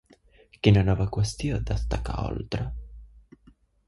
Quina nova qüestió destaca Oltra?